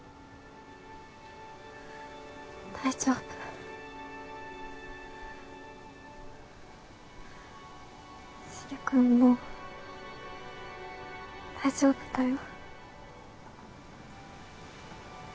大丈夫しげ君も大丈夫だよ